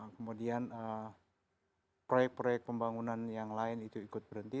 kemudian proyek proyek pembangunan yang lain itu ikut berhenti